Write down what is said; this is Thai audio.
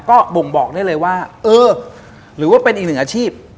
ก็บ่งบอกได้เลยว่าเออหรือว่าเป็นอีกหนึ่งอาชีพ